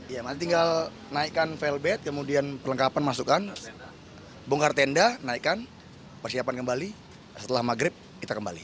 iya nanti tinggal naikkan felbet kemudian perlengkapan masukan bongkar tenda naikkan persiapan kembali setelah maghrib kita kembali